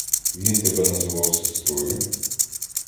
Він тебе називав сестрою?